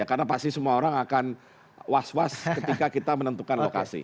karena pasti semua orang akan was was ketika kita menentukan lokasi